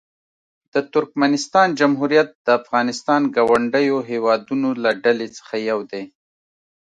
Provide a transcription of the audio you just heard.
د ترکمنستان جمهوریت د افغانستان ګاونډیو هېوادونو له ډلې څخه یو دی.